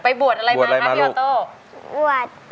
ไปบวชอะไรมาครับพี่ออโต้